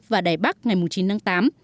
và đài bắc ngày chín tháng tám